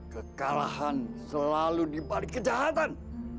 kekalahan selalu dibalik kejahatan